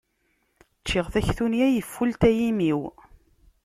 Ččiɣ taktuniya, yefulta yimi-w.